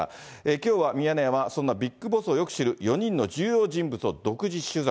きょうはミヤネ屋は、そんなビッグボスをよく知る４人の重要人物を独自取材。